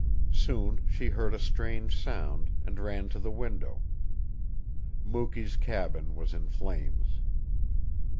Soon she heard a strange sound, and ran to the window. Mukee's cabin was in flames.